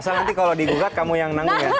asal nanti kalau digugat kamu yang nanggung ya